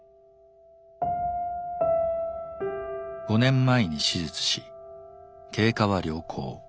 ５年前に手術し経過は良好。